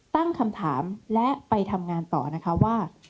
ตั้งคำถามและไปทำงานต่อนะคะว่า